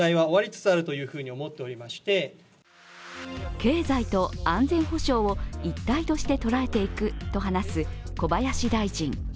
経済と安全保障を一体として捉えていくと話す小林大臣。